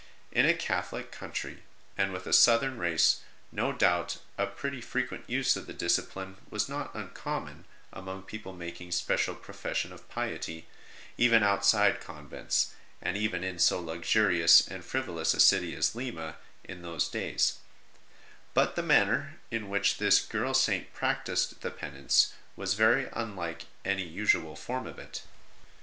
In a Catholic country, and with a Southern race, no doubt a pretty frequent use of the discipline was not uncommon among people making special pro fession of piety, even outside convents, and even in so luxurious and frivolous a city as Lima in those days ; but the manner in which this girl Saint practised the penance was very unlike any usual form of it.